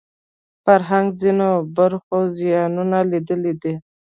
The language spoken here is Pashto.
فرهنګ ځینو برخو زیانونه لیدلي دي